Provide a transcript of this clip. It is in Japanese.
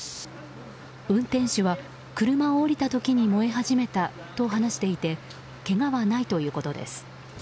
運転手は車を降りた時に燃え始めたと話していてけがはないということです。